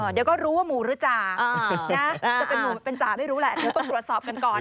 เดี๋ยวก็รู้ว่าหมูหรือจ่าจะเป็นหมูเป็นจ่าไม่รู้แหละเดี๋ยวต้องตรวจสอบกันก่อน